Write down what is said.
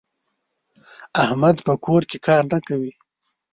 احمد په کور کې کار نه کوي.